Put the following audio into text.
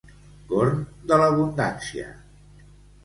Corn de l'abundància.